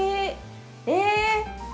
え。